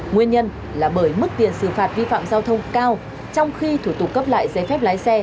nguyên nhân là bởi mức tiền xử phạt vi phạm giao thông cao trong khi thủ tục cấp lại giấy phép lái xe